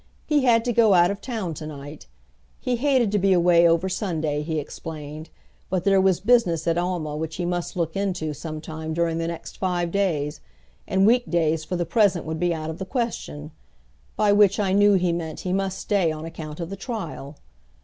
He had to go out of town to night. He hated to be away over Sunday, he explained, but there was business at Alma which he must look into sometime during the next five days; and week days for the present would be out of the question by which I knew he meant he must stay on account of the trial.